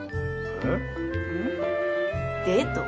えっ！？